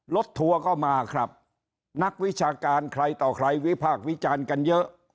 ทัวร์ก็มาครับนักวิชาการใครต่อใครวิพากษ์วิจารณ์กันเยอะ